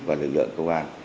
và lực lượng công an